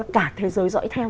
cả thế giới dõi theo